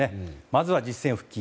まずは実戦復帰。